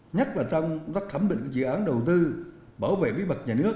nhất là trong các thẩm định dự án đầu tư bảo vệ bí mật nhà nước